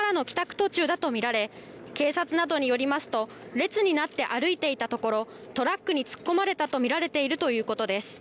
途中だと見られ、警察などによりますと列になって歩いていたところトラックに突っ込まれたと見られているということです。